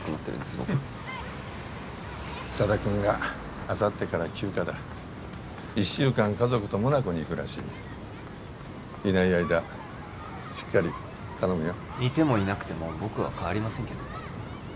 僕佐田君があさってから休暇だ１週間家族とモナコに行くらしいいない間しっかり頼むよいてもいなくても僕は変わりませんけどね